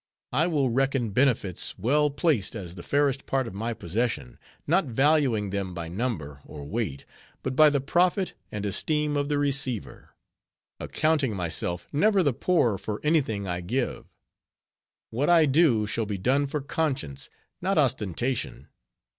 I will reckon benefits well placed as the fairest part of my possession, not valuing them by number or weight, but by the profit and esteem of the receiver; accounting myself never the poorer for any thing I give. What I do shall be done for conscience, not ostentation.